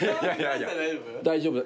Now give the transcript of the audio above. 大丈夫。